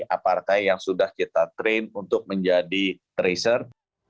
aparkai yang sudah kita train untuk menjadi tracer